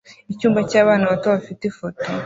Icyumba cy'abana bato bafite ifoto